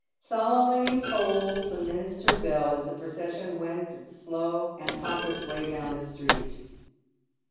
Solemnly tolls the minster bell as the procession wends its slow and pompous way down the street.